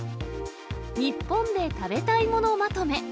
日本で食べたいものまとめ。